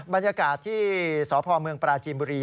บรรยากาศที่สพเมืองปราจีนบุรี